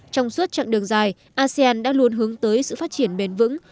trong suốt chặng đường dài asean đã luôn hướng tới sự phát triển bền vững